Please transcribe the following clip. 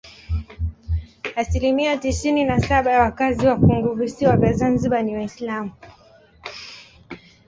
Asilimia tisini na saba ya wakazi wa funguvisiwa vya Zanzibar ni Waislamu.